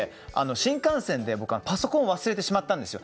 新幹線で僕パソコンを忘れてしまったんですよ。